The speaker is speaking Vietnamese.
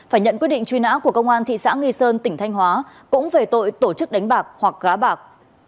phải nhận quyết định truy nã của công an thị xã nghi sơn tỉnh thanh hóa cũng về tội tổ chức đánh bạc hoặc gá bạc